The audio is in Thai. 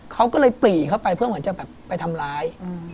เขาก็เลยปรีเข้าไปเพื่อเหมือนจะแบบไปทำร้าย